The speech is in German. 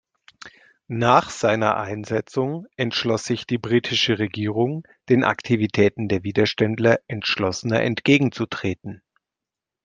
Nach seiner Einsetzung entschloss sich die britische Regierung den Aktivitäten der Widerständler entschlossener entgegenzutreten.